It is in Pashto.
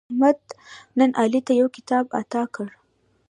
احمد نن علي ته یو کتاب اعطا کړ.